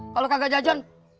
kalo kagak jajan